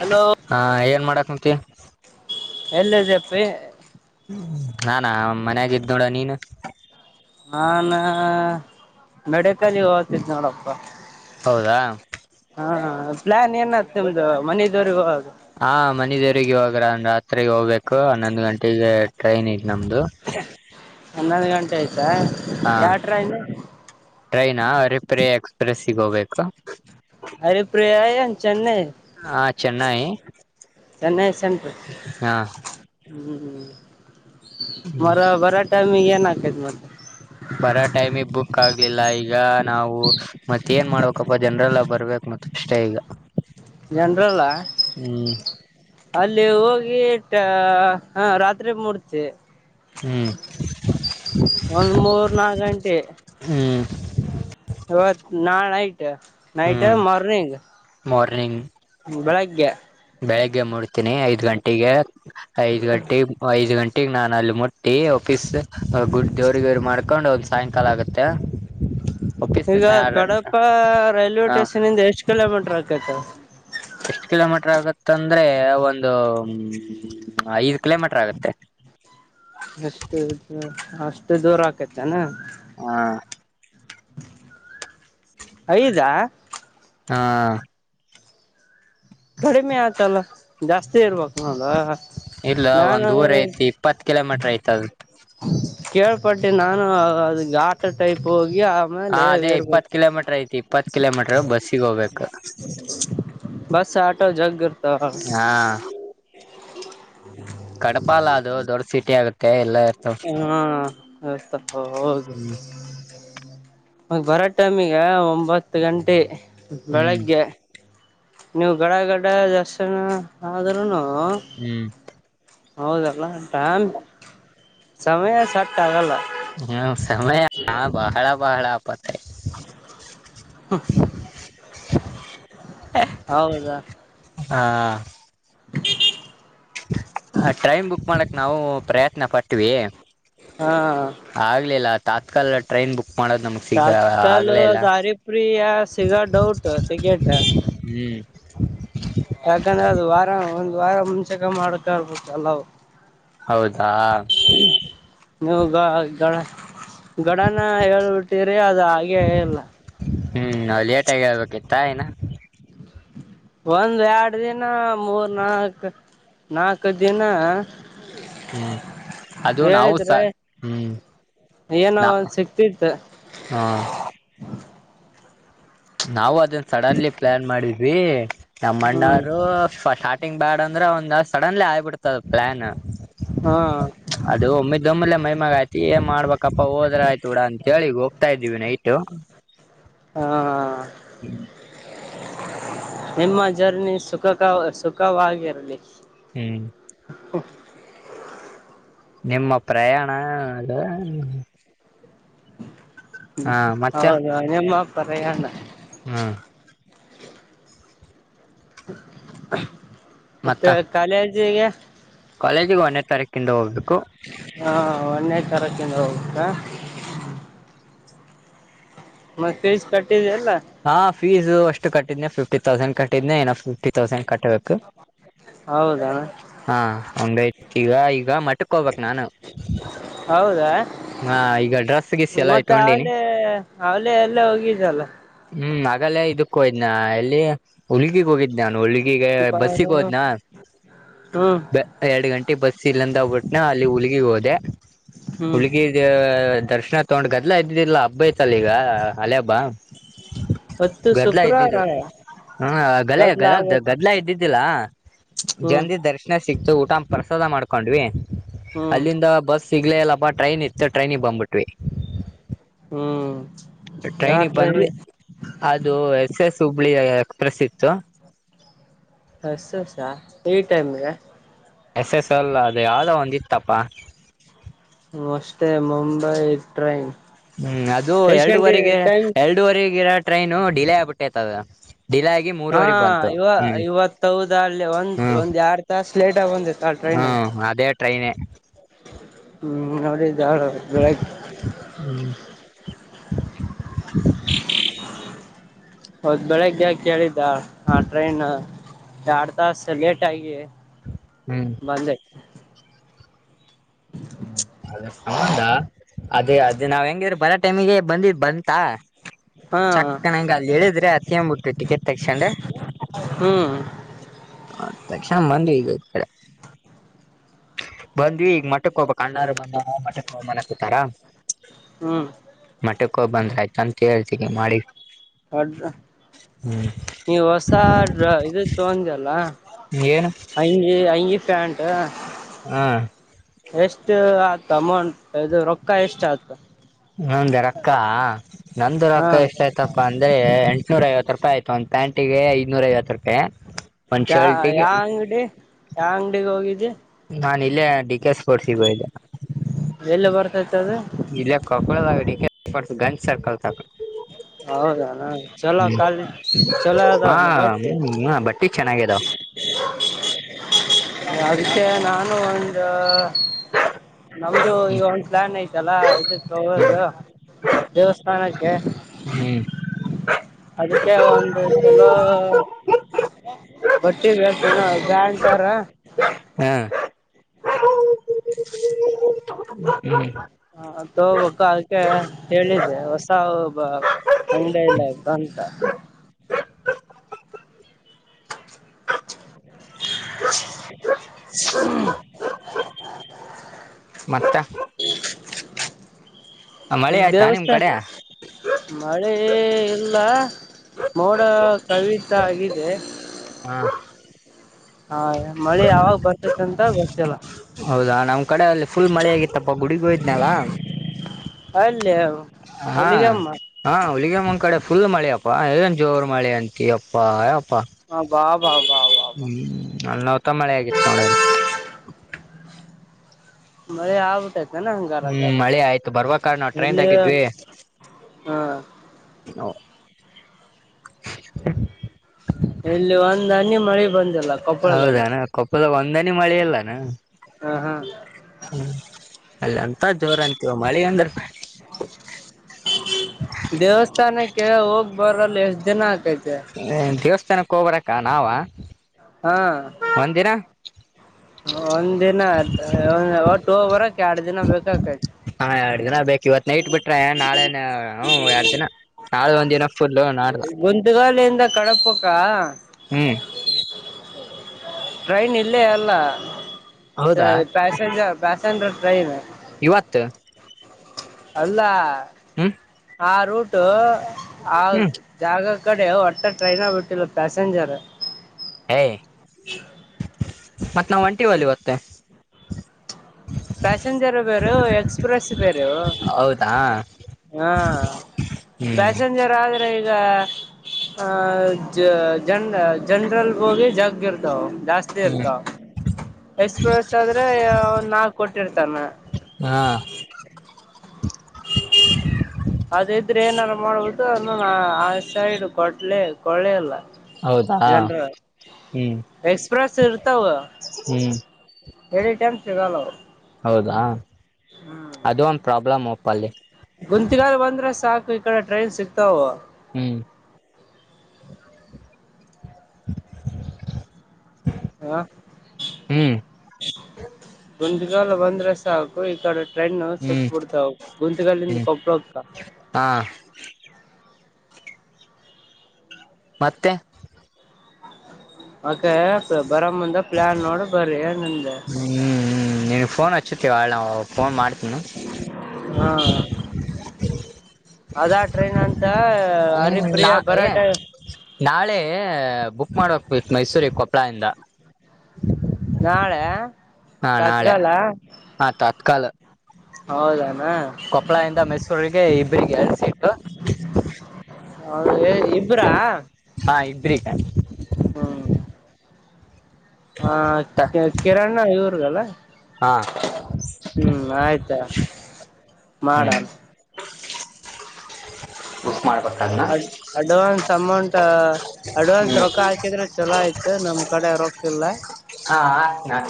Hello ಹಾ ಏನ್ ಮಾಡಕ್ಂತ ಯಲ್ಲಿದ್ದು ಅಪ್ಪಿ ನಾನಾ ಮನ್ಯಾಗ ಇದ ನೋಡ ನೀನು ನಾನ ಮಡಕಲ್ಲಿ ಹ್ತಿದ್ದ ನೋಡಪ್ಪ ಹೌದಾ ಹಾ ಪ್ಲನ್ ಏನ್ತ ನಿಮ್ದು ಮನದವರಿಗೆಗ ಹ ಹಾ ಮನ ದೇವರಿಗೆ ಇವಾಗ ರಾತ್ರಿಗೆ ಹೋಗ್ಬೇಕು ಹನ್ನೊಂದು ಗಂಟೆಗೆ ಟ್ರೈನ್ ಇದೆ ನಮ್ದು ಹನ್ನೊಂದು ಗಂಟೆ ಆಯ್ತಾ ಹಾ ಯಾವ ಟ್ರೈನ್ ಟ್ರೈನಾ ಅರಿಪುರಿ ಎಕ್ಸ್ಪ್ರೆಸ್ ಸಿಗ ಹೋಗ್ಬೇಕು ಹರಿಪ್ರಿಯಾಯನ್ ಚೆನ್ನೈ ಹಾ ಚೆನ್ನೈ ಚೆನ್ನೈ ಸೆಂಟ್ರಲ್ ಹಾ ಹ್ಮ್ ಮರ ಬರಾ ಟೈಮಿಂಗ್ ಏನಕ ಮತ್ತೆ ಬರ ಟೈಮಿಗೆ ಬುಕ್ ಆಗ್ಲಿಲ್ಲ ಈಗ ನಾವು ಮತ್ತ ಏನ್ ಮಾಡ ಅಾಪ್ಪ ಜನರೆಲ್ಲ ಬರ್ಬೇಕಕ್ ಮತ್ತ ಅಷ್ಟೇ ಈಗ ಜನರಲ್ಲ? ಹ್ಮ್ ಅಲ್ಲಿ ಹೋಗಿ ಹ ರಾತ್ರಿ ಮೂಡ್ತಿ ಹ್ಮ್ ಒಂದ್ ಮೂರ್ ನಾಲ್ ಗಂಟೆ ಹ್ಮ್ ಇವತ್ ನಾ ನೈಟ್ ನೈಟ್ ಹ್ಮ್ ಮಾರ್ನಿಂಗ್ ಮಾರ್ನಿಂಗ್ ಹ್ಮ ಬೆಳಗ್ಗೆ ಬೆಳಿಗ್ಗೆ ಮೂಡ್ತೀನಿ ಐದ್ ಗಂಟೆಗೆ ಐದ್ ಗಂಟೆಗೆ ಐದ್ ಗಂಟೆಗೆ ನಾನು ಅಲ್ಲಿ ಮುಟ್ಟಿ ಆಫೀಸ್ ಗುಡ್ ಜೋರಿ ಗೋರಿ ಮಾಡ್ಕೊಂಡ್ ಹೋಗ್ ಸಾಯಂಕಾಲ ಆಗುತ್ತೆ ಒಫೀಸ್ ಈಗ ಕಡಪ ರೈಲ್ವೆ ಹ ಸ್ಟೇಷನ್ ಇಂದ ಎಷ್ಟ್ ಕಿಲೋಮೀಟರ್ ಆಕೈತ ಎಷ್ಟ್ ಕಿಲೋಮೀಟರ್ ಆಗುತ್ತ ಅಂದ್ರೆ ಒಂದು ಐದು ಕಿಲೋಮೀಟರ್ ಆಗತ್ತೆ ಎಷ್ಟು ಅಷ್ಟು ದೂರ ಆಕೈತ್ತ ಅನಾ ಹಾ ಐದಾ ಹಾ ಕಡಿಮೆ ಆಯತಲ್ಲ ಜಾಸ್ತಿ ಇರ್ಬೇಕು ನೋಡ ನಾನು- ಕೆಲೋಮೀಟರ್ ಆಯ್ತದು. ಕೇಳ್ಪಟ್ಟೆ ನಾನು ಅದ ಆಟ ಟೈಪ್ ಹೋಗಿ ಆ- ಹ ಆಮ್ಮಾಲ ಅದೇ ವೇರು ಬ ಇಪ್ಪತ್ ಕಿಲೋಮೀಟರ್ ಐತಿ ಇಪ್ಪತ್ ಕಿಲೋಮೀಟರ್ ಬಸ್ಸಿಗೆ ಹೋಗ್ಬೇಕು ಬಸ್ ಆಟೋ ಜಗ್ ಇರ್ತಾವ ಕಡಪ ಅಲ್ಲ ಅದು ದೊಡ್ಡ ಸಿಟಿ ಆಗುತ್ತೆ ಎಲ್ಲ ಇ ಏನೂ [unintelligible] ಹಾ ಹೋಗದು ಹ್ಮ್ ಮ ಬರ ಟೈಮ್ ಈಗ ಒಂಬತ್ತು ಗಂಟೆ ಹ್ಮ್ ಬೆಳಗ್ಗೆ ನೀವು ಗಡ ಗಡ್ಡ ದರ್ಸ್ನ ಆದ್ರೂನು ಹ್ಮ್ ಹೌದಲ್ಲ ಟೈಮ್ ಸಮಯ ಸಟ್ ಆಗಲ್ಲ ಹ್ಮ ಸಮಯ ಹ ಬಹಳ ಬಹಳ ಅಪತಾ [unintelligible] ಹೌದಾ ಹಾ [inaudible] ಹ ಟ್ರೈನ್ ಬುಕ್ ಮಾಡಕ್ ನಾವು ಪ್ರಯತ್ನ ಪಟ್ವಿ ಹಾ ಆಗ್ಲಿಲ್ಲ ತಾತ್ಕಾಲ ಟ್ರೈನ್ ಬುಕ್ ಮಾಡೋದು ನಮ ತತ್ಕಾಲ ದಾರಿಪಿಯ ಸಿಗೋದ ಡೌಟ್ ಟಿಕೇಟ್ ಹ್ಮ್ ಯಾಕಂದ್ರೆ ಅದು ವಾರ ಒಂದ್ ವಾರ ಮುಂಚಕ ಮಾಡ್ಕರ್ಬೇಕ ಎಲ್ಲವು ಹೌದಾ ನೀವು ಗ ಗಳ ಗಡನ ಹೇಳ್ಬಿಟ್ಟಿರಿ ಅದು ಆಗೆ ಇಲ್ಲಾ ಹ್ಮ ಲೇಟಾಗಿ ಹೇಳ್ಬೇಕಿತ್ತ ಇನ್ ಒಂದ್ ಎರಡು ದಿನ ಮೂರ್ ನಾಕ್ ನಾಲ್ಕ ದಿನ ಹ್ಮ್ ಅದು ನಾವುಸ ಹೇಳಿದ್ರೆ ಹ್ಮ್ ಏನೋ ಒಂದ ಸಿಕ್ತಿತ್ತು ಹಾ ನಾವು ಅದನ್ನ ಸಡನ್ಲಿ ಪ್ಲಾನ್ ಮಾಡಿದ್ವಿ ನಮ್ಮ ಹ್ಮ್ ಅಣ್ಣವರು ಶ ಗ್ ಬ್ಯಾಡ್ ಅಂದ್ರೆ ಒಂದ ಸಡನ್ಲಿ ಆಗಿಬಿಡ್ತ ಪ್ಲಾನ್ ಹಾ ಅದು ಒಮ್ಮಿದೊಮ್ಮಲೆ ಮೈಮಾಗ ಆಯತಿ ಏನ್ ಮಾಡ್ಬೇಕಪ್ಪಾ ಹೋದ್ರ ಆಯ್ತು ಬಿಡ ಅಂತೇಳಿಗ್ ಹೋಗ್ತಾ ಇದ್ದೀವಿ ನೈಟು ಹಾ ಹಾ ಹ್ಮ್ ನಿಮ್ಮ ಜರ್ನಿ ಸುಖಕ ಸುಖರವಾಗಿರಲಿ ಹ್ಮ್ ನಿಮ್ಮ ಪ್ರಯಾಣ ಅದು ಹ್ಮ ಮತ್ತೆ ಹೌದು ನೀಮ್ಮ ಪ್ರಯಾಣ ಹ್ಮ್ ಮತ್ತ ಮತ್ತೆ ಕಾಲೆಜೀಗೆ ಕಾಲೇಜಿಗೆ ಒಂದೇ ತಾರೀಕಿಂದ ಹೋಗ್ಬೇಕು ಹಾ ಒಂದೇ ತಾರಕಿಂದ ಹೋಗಬೇಕಾ ಹ್ಮ್ ಮತ್ತ ಪೀಸ್ ಕಟ್ಟಿದ್ದ ಇಲ್ಲ ಹಾ ಫೀಸ್ ಅಷ್ಟು ಕಟ್ಟಿದ್ನೆ ಫಿಫ್ಟಿ ತೌಸಂಡ್ ಕಟ್ಟಿದ್ನೆ ಇನಫ್ ಫಿಫ್ಟಿ ಥೌಸಂಡ್ ಕಟ್ಬೇಕು ಹೌದಾ ಹಾ ಮತ್ತೆ ಈಗ್ ಈಗ ಇಟ್ಟಕೋಗ್ಬೇಕು ನಾನು ಹೌದಾ ಹ ಈಗ ಡ್ರೆಸ್ ಗಿಸ್ ಎಲ್ಲ ಮತ್ತ ಇಟ್ಕೊಂಡಿನಿ ಅವಲೆೇ ಅವಲೆೇ ಎಲ್ಲ ಹೋಗಿದಲ್ಲ ಹ್ಮ್ ಆಗಲ್ಲೇ ಇದಕ್ಕ ಹೋಗಿದನ್ ಯ್ ಎಲ್ಲಿ ಹುಲಗಿಗ್ ಹೋಗಿದ ನಾನು ಹುಳ್ಗಿಗೆ ಬಸ್ಸಿಗೆ ಹೋದ್ನಾ ಹ್ಮ್ ಎರಡ್ ಗಂಟೆ ಬಸ್ ಇಲ್ಲಿಂದ ಬಿಟ್ಟ್ನಅಲ್ಲಿ ಹುಲ್ಲಿಗೆ ಹೋದೆ ಹ್ಮ್ ಹುಲಿಗಿಗೆ ದರ್ಶನ ತಗೊಂಡ್ ಗದಲ ಇದ್ದಿದ್ದಿಲ್ಲಾ ಹಬ್ಬ ಐತಲ್ಲ ಈಗ ಅಲ್ಲೇ ಹಬ್ಬ ಬ ಹೊತ್ತು ಗದಲ ಶುಕ್ರವಾರ ಇದ್ದಿದ್ದಿಲ್ಲ ಹ ಗಲೆ ಗದ್ದಲ ಗದ ಆವತ್ತು ಗದಲ ಇದ್ದಿದ್ದಿಲ್ಲಾ ಜಂದಿ ದರ್ಶನ ಸಿಕ್ತು ಊಟ ಪ್ರಸಾದ ಮಾಡ್ಕೊಂಡ್ವಿ ಹ್ಮ್ ಹ್ಮ್ ಅಲ್ಲಿಂದ ಬಸ್ ಸಿಗ್ಲೆ ಇಲ್ಲಪಟ್ ಟ್ರೈನ್ ಇತ್ತ್ ಟೈನಿಗ ಬಂದಬುಟ್ಟವಿ ಹ್ಮ್ ಯಾವ ಟ್ರೈನಿಗ ಟ್ರೈನ್ ಬಂದ್ವಿ ಅದು ಎಸ್ ಎಸ್ ಹುಬ್ಳಿ ಎಕ್ಸ್ಪ್ರೆಸ್ ಇತ್ತು ಎಸ್ ಎಸಾ‌‌ ಈ ಟೈಮ್ಗಿ ಎಸ್ ಎಸ್ ಅಲ್ಲ ಅದು ಯಾವದೋ ಒಂದ ಇತ್ತಪ್ಪಾ ಮೋಸ್ಟ್ಲಿ ಮುಂಬೈ ಟ್ರೈನ್ ಹ್ಮ್ ಅದು ಎಷ್ಟು ಗಂಟೆ ಎರಡುವರಿಗೆ ಟೈಮ್ ಎರಡುವರಿಗಿರ ಟ್ರೈನು ಡಿಲೇ ಆಗ್ಬಿಟ್ಟೈತದ ಡಿಲೆಯಾಗಿ ಮೂ ಹಾ ಇವ ಇವತೌದ ಅಲ್ಲಿ ಒಂದ್ ಹ್ಮ್ ಒಂದ್ ಎರಡ್ ತಾಸ ಲೇಟ್ಗಾ ಬಂದಿತ್ತ ಆ ಟ್ರೈನ್ ಹ್ಮ್ ಅದೇ ಟ್ರೈನೆ ಹ್ಮ್ ನೋಡಿ ಬಾಳ [unintelligible] ಹ್ಮ್ ಅವತ್ತ್ ಬೆಳಗ್ಗೆ ಕೇಳಿದ್ದ ಹಾ ಟ್ರೈನ್ ಎಡ್ ತಾಸ ಲೇಟಾಗಿ ಹ್ಮ್ ಬಂದೆ ಹ್ಮ ಅದ್ರ ಸಂಬಂಧ ಅದೇ ಅದ ನಾವ್ ಹೆಂಗಿದ್ರರ್ ಬರ ಟೈಮಿಗೆ ಬಂದಿದ ಬಂತ ಹಾ ಚಕ್ಕನಂಗ ಅಲ್ಲಿ ಇಳಿದ್ರೆ ಹತಕಂಬಿಟ್ಟವಿ ಟಿಕೆಟ್ ತೆಗಸಕೆಂಡ ಹ್ಮ್ ತೆಗಸಕಂಡ್ ಬಂದ್ವಿ ಈಗ ಈಕಡೆ ಬಂದ್ವಿ ಈಗ ಮತ್ತ ಮಟ್ಟಕ್ಕ ಹೋಗಬೇಕ್ ಅಣ್ಣಾರ ಬಂದರ್ ಮಟ್ಟಕ್ಕ ಹೋಂ ಅನಕುತಾರ ಹ್ಮ್ ಮಟ್ಟಕ್ಕ ಹೋಗಿ ಬಂದ್ರಾತಂತ ಹೇಳಿ ಇದ್ ಮಾಡಿವಿ ಅಡ ನೀವ ಹೊಸಡ್ರ ಇದು ತೊಂದಲ್ಲ ಏನ್ ಅಂಗಿ ಅಂಗಿ ಪ್ಯಾಂಟ್ ಹಾ ಎಷ್ಟ್ ಆಯ್ತ್ ಅಮೌಂಟ್ ಇದು ರೊಕ್ಕ ಎಷ್ಟ್ ಆತ್ತ ನಂದ ರೂಕ್ಕಾ ನಂದ ಹಾ ರೊಕ್ಕ ಎಷ್ಟ ಆಯ್ತಪ್ಪ ಅಪ್ಪ ಅಂದ್ರೆ ಎಂಟ್ನೂರ ಐವತ್ತ್ ರೂಪಾಯಿ ಆಯ್ತ್ ಒಂದು ಪ್ಯಾಂಟಿಗೆ ಐದ್ನೂರ ಐವತ್ತ್ ರೂಪಾಯಿ ಒಂದ್ ಯಾ ಶರ್ಟಿಗೆ ಯಾ ಅಂಗಡಿ ಯಾ ಅಂಗಡಿಗ ಹೋಗಿದ್ದಿ ನಾನ್ ಇಲ್ಲೇ ಡಿಕೆ ಸ್ಪೋರ್ಟ್ಸಿಗ ಹೋಗಿದ್ದೆ ಎಲ್ಲಿ ಬರ್ತೈತಿ ಅದು ಇಲ್ಲೆ ಕೊಪ್ಪಳದಾಗ ಡಿಕೆ ಸ್ಪೋರ್ಟ್ಸ್ ಗಂಜ್ ಸರ್ಕಲದಾಗ್ ಹೌದನು ಚಲೋ ಕಾಲ ಚಲೋ ಹಾ ಅದಾವನು ಬಟ್ಟಿ ಹ್ಮ ಬಟ್ಟಿ ಚೆನ್ನಾಗಿದಾವ ಅದಕ್ಕೆ ನಾನು ಒಂದ್ ನಮ್ದು ಈಗ ಒಂದ್ ಪ್ಲಾನ್ ಐತಲ್ಲಾ ಇದಕ್ಕ ಹೋಗೋದು ದೇವಸ್ಥಾನಕ್ಕೆ ಹ್ಮ್ ಅದಕ್ಕೆ ಒಂದ ಚಲೋ ಬಟ್ಟಿ ಬೇಕ್ ಏನೊ ಪ್ಯಾಂಟರ್ ಹ್ಮ್ ಹ್ಮ್ ಹ ತೋಬೇಕ ಅದಕೆ ಹೇಳಿದ್ದೆ ಹೊಸಬ ಅಂಗಡೆ ಎಲ್ಲ ಏತ್ ಅಂತ [inaudible] ಮತ್ತೆ ಮಳೆ ಆಯ್ತಾ ನಿಮ್ ದೇವಸ್ಥಾ ಕಡೆ ಮಳೆ ಎಲ್ಲ ಮೋಡ ಕವಿತಾಗಿದೆ ಹಾಂ ಹಾ ಮಳೆ ಯಾವಾಗ ಬರ್ತತಿ ಅಂತ ಗೊತ್ತಿಲ್ಲ ಹೌದಾ ನಮ್ ಕಡೆ ಅಲ್ಲಿ ಫುಲ್ ಮಳೆ ಆಗಿತ್ತಪ್ಪ ಗುಡಿಗ ಹೋಯದ್ನಲ್ಲಾ ಅಲ್ಲಿ [unintelligible] ಹಾ ಹೊಲಿಗೆಮ್ಮ ಹಾ ಹುಲಿಗೆಮ್ಮನ ಕಡೆ ಫುಲ್ ಮಳೆಪ್ಪಾ ಏನ್ ಜೋರ್ ಮಳೆ ಅಂತ ತಿಯಪ್ಪಾ ಯಪ್ಪಾ ಹ ಬಾ ಬಾ ಬಾ ಬಾ ಬಾ ಹ್ಮ ಅಲ್ಲಿ ನವತ ಮಳೆ ಆಗಿತ್ತು ನೋಡಲ್ಲಿ ಮಳೆ ಆಗುತ್ತೆ ನನ್ನ ಹಂಗಾರ ಹ್ಮ್ ಆತದೆ ಮಳೆ ಆಯ್ತು ಬರ್ಬೇಕಾರ ನಾವ್ ಎಲ್ಲಿ ಟ್ರೈನ್ದಾಗಿದ್ವಿ ಹಾಂ [inaudible] [unintelligible] ಹ್ಮ್ ಇಲ್ಲಿ ಒಂದ್ ಹನ್ನಿ ಮಳೆ ಬಂದ್ ಹೌದಣ್ಣ ಕೊಪ್ಪದ ಒಂದ್ ಹನಿ ಮಳೆ ಇಲ್ಲನಾ ಅಂ ಹಾ ಹ್ಮ್ ಅಲ್ಲಂತ ಜೋರ್ ಅಂತಿಯು ಮಳೆ ಅಂದ್ರ ದೇವಸ್ಥಾನಕ್ಕೆ ಹೋಗ್ ಬರಲೆ ಎಷ್ಟ ದಿನ ಆಕೈತೆ ದೇವಸ್ಥಾನಕ್ಕೆ ಹೋಗ್ಬರಕ್ಕ ನಾವ ಹಾಂ ಒಂದ್ ದಿನ ಒಂದ್ ದಿನ ಒಟ್ಟ ಹೋಗ್ ಬರಕ್ ಎರಡ್ ದಿನ ಬೇಕಕೈತಿ ಹಾ ಎರಡು ದಿನ ಬೇಕ್ ಇವತ್ತು ನೈಟ್ ಬಿಟ್ರೆ ನಾಳೆ ಎರಡ್ ದಿನ ನಾಳೆ ಒಂದ ದಿನ ಫುಲ್ ನಾಡ್ದ ಗೊಂತಗಾಲಿಂದ ಕಡಪಕಾ ಹ್ಮ್ ಟ್ರೈನ್ ಇಲ್ಲೇ ಅಲ್ಲ ಹೌದಾ ಪ್ಯಾಸೆಂಜರ್ ಪ್ಯಾಸೆಂಜರ್ ಟ್ರೈನ್ ಇವತ್ತು ಅಲ್ಲ ಹ್ಮ ಆ ರೂಟ್ ಆ ಜಾಗ ಕಡೆ ಒಟ್ಟೆ ಟ್ರೈನ್ ಬಿಟ್ಟಿಲ್ಲ ಪ್ಯಾಸೆಂಜರ್ ಏಯ್ [inaudible] ಮತ್ ನಾವ್ ಒಂಟಿ ಒಲಿ ಇವತ್ತೆ ಪ್ಯಾಸೆಂಜರ್ ಬೇರೆಯು ಎಕ್ಸ್ಪ್ರೆಸ್ ಬೇರೆಯು ಹೌದಾ ಹಾಂ ಹ್ಮ್ ಪ್ಯಾಸೆಂಜರ್ ಆದ್ರೆ ಈಗ ಆ ಜನ್ ಜನ್ರಲ್ ಹೋಗಿ ಜಗ್ಗಿರ್ತಾವ ಜಾಸ್ತಿ ಹ್ಮ್ ಇರ್ತವ್ ಎಕ್ಸ್ಪ್ರೆಸ್ ಆದ್ರೆ ಒಂದ್ ನಾಲ್ಕು ಕೊಟ್ಟಿ ಇರ್ತಾನ ಹಾಂ [inaudible] ಅದ ಇದ್ರೆ ಏನಾರು ಮಾಡುವುದು ಅನ್ನ ಆ ಸೈಡ್ ಕೊಟ್ಲೆ ಕೊಳ್ಳ ಇಲ್ಲ ಹೌದಾ ಜನರ ಹ್ಮ್ ಎಕ್ಸ್ಪ್ರೆಸ್ ಇರ್ತಾವು ಹ್ಮ್ ಹೇಳಿದೆ ಟೀಮ್ ಸಿಗಲಿಲ್ಲ ಅವರು ಹೌದಾ ಅದು ಒಂದು ಪ್ರಾಬ್ಲಮ್ ಒಪ್ಪಲ್ಲಿ ಗುಂತಿಗಾರ ಬಂದ್ರೆ ಸಾಕು ಈ ಕಡೆ ಟ್ರೈನ್ ಸಿಕ್ತಾವ ಹ್ಮ್ ಹಾ ಹ್ಮ್ ಗಂದಗಾಲ ಬಂದ್ರೆ ಸಾಕು ಈ ಕಡೆ- ಫ್ರೆಂಡ್ ಹ್ಮ್ ಸಿಕ್ಬಿಡ್ತಾವ ಗುಂತಗಲ್ಲಿಂದ ಕೊಬಳ ಹೋಗ್ತ ಹಾಂ ಮತ್ತೆ ಅಕೆ ಬರೋ ಮುಂದೆ ಪ್ಲ್ಯಾನ್ ನೋಡಿ ಬರ್ರಿ ನಂದ ಹ್ಞೂ ನಿನಗೆ ಫೋನ್ಚ್ಚುತ್ತೀ ಅವಳವು ಫೋನ್ ಮಾಡ್ತೀನಿ ಹಾ ಅದಾ ಟ್ರೈನ್ ಅಂತ- ಹ್ಮ್ ನಾ ಹರಿಪ್ರಿಯಾ ಏ ಬರಾಟೆ ನಾಳೆ ಬುಕ್ ಮಾಡ್ಬೇಕ ಮೈಸೂರಿಗೆ ಕೊಪ್ಪಳ ಇಿಂದ ನಾಳೆ ಹಾ ನಾಳೆ ತತ್ಕಾಲ ಹಾ ತತ್ಕಾಲ್ ಹೌದನಾ ಕೊಪ್ಪಳ ಇಿಂದ ಮೈಸೂರಿಗೆ ಇಬ್ಬ್ರರಿಗೆ ಸಿೀ ಹ ಇಬ್ಬರಾ ಹಾ ಇದ್ರಿಕ ಹ್ಮ ಹ ಕಿರಣ್ಣ ಇವ್ರಗಲ್ಲ ಹಾ ಹ್ಮ್ ಆಯ್ತಾ ಮಾಡ ಹ್ಮ್ ಬುಕ್ ಮಾಡ್ಬೇಕದ್ನ ಅ ಅಡ್ವಾನ್ಸ್ ಅಮೌಂಟ್ ಅಡ್ವಾನ್ಸ್ ಹ್ಮ್ ರೊಕ್ಕ ಹಾಕಿದ್ರೆ ಚಲೋ ಆಯ್ತು ನಮ್ಮ್ ಕಡೆ ರರೋಕ್ಕ ಇಲ್ಲ ಹಾ ಆತನ ಆಗ್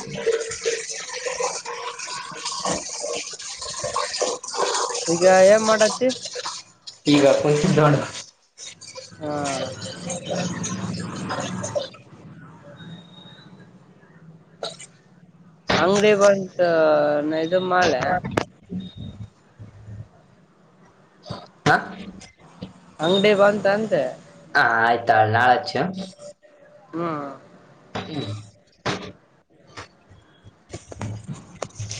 ಈಗ ಏನ್ ಮಾಡತಿ ಆಡ [unintelligible] ಹಾ ಅಂಗಡಿ ಬಂತ ಇದು ಮಳೆ- ಹ್ಮ್ಮ [inaudible] ಹಾ ಅಂಗಡಿ ಬಂತ ಅಂತೆ ಹಾ ಆಯ್ತಾಳ ನಾಚ್ಚು ಹ್ಮ್ ಹ್ಮ [inaudible]